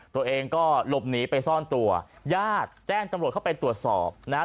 ตัวเองก็หลบหนีไปซ่อนตัวญาติแจ้งตำรวจเข้าไปตรวจสอบนะฮะ